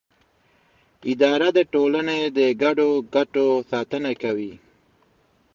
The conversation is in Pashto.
اداره د ټولنې د ګډو ګټو ساتنه کوي.